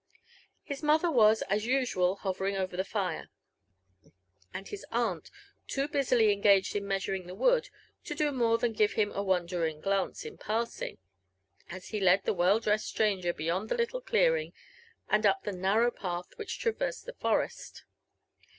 His mother was, as usual, hovering over the fire; and his aunt too busily engaged in measuring the wood, to do more than^ive him a wondering glance in passing, as he led the well dressed stranger beyond the little clearing, and up the narrow path which traversed the forest.